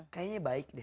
kayaknya baik deh